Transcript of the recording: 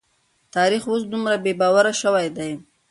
تاريخ اوس دومره بې باوره شوی دی.